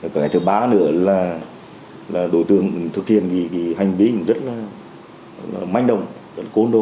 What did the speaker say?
cái thứ ba nữa là đội thương thực hiện hành vi rất là manh động rất là côn đồ